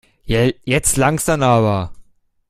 Jetzt langt's dann aber.